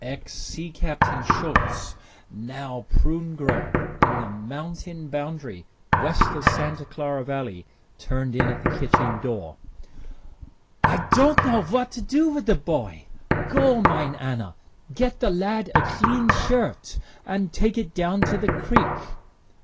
Ex Sea Captain Schulz, now prune grower in the mountain boundary west of Santa Clara Valley, turned in at the kitchen door. "I don't know what to do wit' the boy. Go, mine Anna, get the lad a clean shirt, and take it down to the creek."